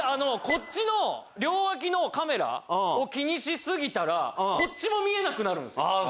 こっちの両脇のカメラを気にしすぎたらこっちも見えなくなるんですよ。